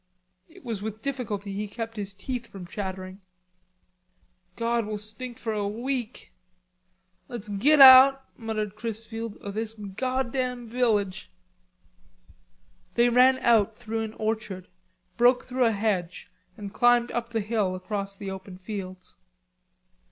It was with difficulty he kept his teeth from chattering. "God, we'll stink for a week." "Let's git out," muttered Chrisfield, "o' this goddam village." They ran out through an orchard, broke through a hedge and climbed up the hill across the open fields.